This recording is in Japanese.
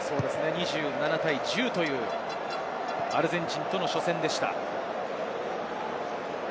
２７対１０というアルゼンチンとの初戦でした。